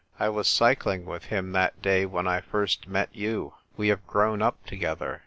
I was cycling with him that day when I first met you. We have grown up together.